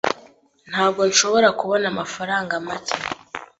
Ntabwo nshobora kubona amafaranga make